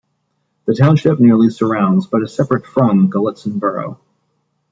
The township nearly surrounds but is separate from Gallitzin borough.